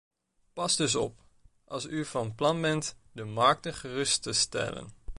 Pas dus op, als u van plan bent de markten gerust te stellen.